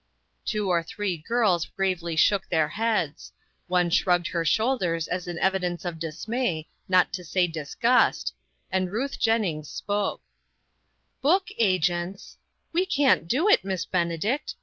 Two or three girls gravely shook their heads ; one shrugged her shoulders as an evidence of dismay, not to say disgust, and Ruth Jennings spoke :" Book agents ! We 'can't do it, Miss Benedict.